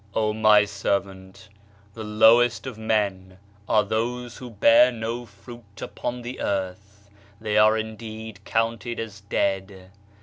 " O my servant ! The lowest of men are those who bear no fruit upon the earth ; they are indeed counted as dead.